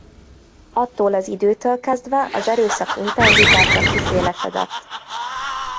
Attól az időtől kezdve az erőszak intenzitása kiszélesedett.